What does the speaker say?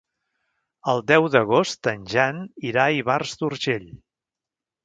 El deu d'agost en Jan irà a Ivars d'Urgell.